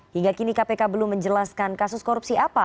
hingga kini kpk belum menjelaskan kasus korupsi apa